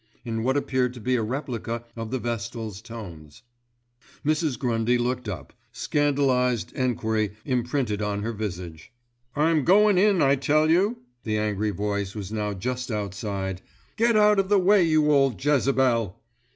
in what appeared to be a replica of the Vestal's tones. Mrs. Grundy looked up, scandalised enquiry imprinted on her visage. "I'm goin' in, I tell you," the angry voice was now just outside. "Get out of the way, you old Jezebel!